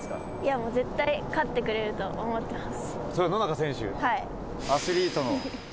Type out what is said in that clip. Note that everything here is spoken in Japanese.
もう絶対勝ってくれると思ってます。